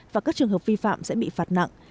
và các trường hợp vi phạm sẽ bị phạt nặng